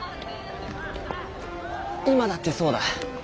今だってそうだ。